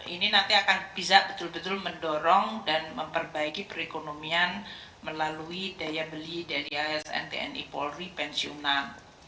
ini nanti akan bisa betul betul mendorong dan memperbaiki perekonomian melalui daya beli dari asn tni polri pensiunan